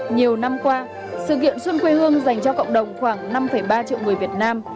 nhiều năm qua sự kiện xuân quê hương dành cho cộng đồng khoảng năm ba triệu người việt nam